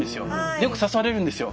でよく誘われるんですよ。